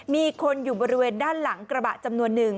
มีคนอยู่บริเวณด้านหลังกระบะจำนวนหนึ่ง